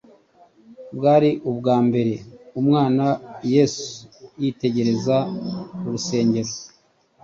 Bwari ubwa mbere umwana Yesu yitegereza urusengero.